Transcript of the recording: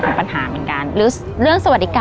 ปัญหาเหมือนกันหรือเรื่องสวัสดิการ